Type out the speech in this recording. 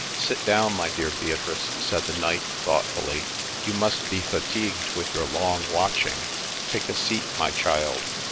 ' Sit down, my dear Beatrice,' said the knight, thoughtfully ;' you must be fatigued with your long watching. Take a seat, my child.'